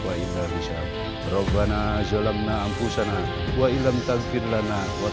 kalau aku adek supereguan mu kamu harus melindungi kulindu haji